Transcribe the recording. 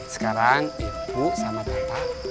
sekarang ibu sama bapak